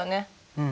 うん。